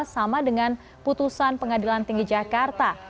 sama dengan putusan pengadilan tinggi jakarta